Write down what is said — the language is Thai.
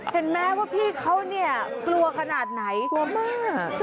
เห็นไหมว่าพี่เขาเนี่ยกลัวขนาดไหนกลัวมาก